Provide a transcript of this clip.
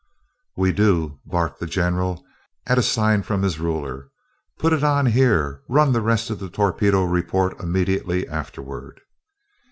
"We do!" barked the general, at a sign from his ruler. "Put it on here. Run the rest of the torpedo report immediately afterward."